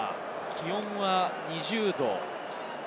気温は２０度。